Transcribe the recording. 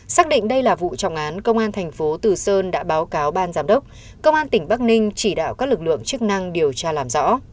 xác định đây là vụ trọng án công an thành phố từ sơn đã báo cáo ban giám đốc công an tỉnh bắc ninh chỉ đạo các lực lượng chức năng điều tra làm rõ